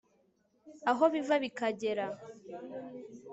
aho biva bikagera